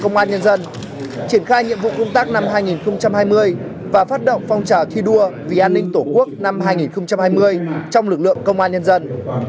công an nhân dân triển khai nhiệm vụ công tác năm hai nghìn hai mươi và phát động phong trào thi đua vì an ninh tổ quốc năm hai nghìn hai mươi trong lực lượng công an nhân dân